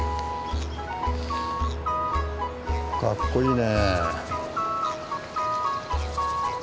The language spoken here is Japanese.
かっこいいね。